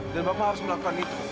dan bapak harus melakukan itu